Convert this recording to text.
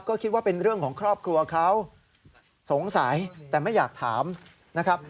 ก็คิดว่าเป็นเรื่องของครอบครัวเขาสงสัยแต่ไม่อยากถามนะครับ